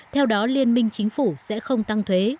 theo đó liên minh chính phủ sẽ không tăng thuế